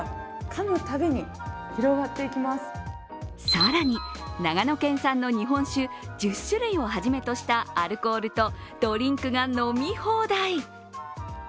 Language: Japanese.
更に、長野県産の日本酒１０種類をはじめとしたアルコールとドリンクが飲み放題。